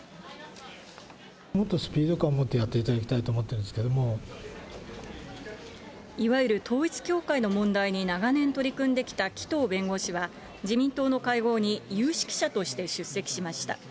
もっとスピード感をもってやっていただきたいと思っているんいわゆる統一教会の問題に長年取り組んできた紀藤弁護士は、自民党の会合に有識者として出席しました。